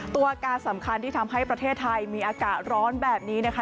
ตัวการสำคัญที่ทำให้ประเทศไทยมีอากาศร้อนแบบนี้นะคะ